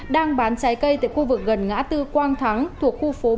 đang bán trái cây tại khu vực gần ngã tư quang thắng thuộc khu phố bốn